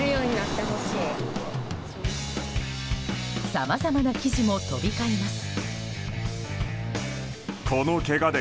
さまざまな記事も飛び交います。